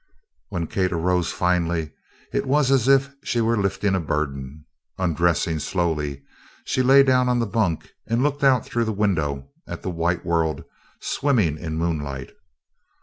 When Kate arose finally it was as if she were lifting a burden. Undressing slowly, she lay down on the bunk and looked out through the window at the white world swimming in moonlight.